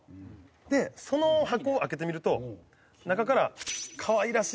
でその箱を開けてみると中から可愛らしい。